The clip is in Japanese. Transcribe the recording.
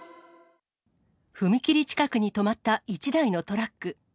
踏切近くに止まった１台のトラック。